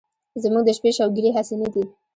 زمونږ د شپې شوګيرې هسې نه دي